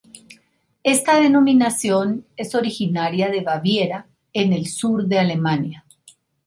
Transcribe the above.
Esta denominación es originaria de Baviera, en el sur de Alemania.